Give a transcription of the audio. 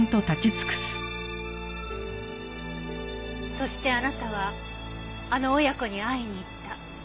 そしてあなたはあの親子に会いに行った。